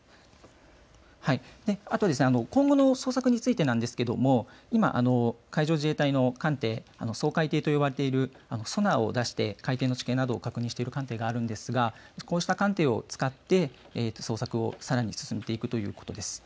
あとですね、今後の捜索についてなんですけども今海上自衛隊の艦艇掃海艇と呼ばれているソナーを出して海底の地形などを監視する艦艇がありますがこうした艦艇を使って捜索をさらに進めていくということです。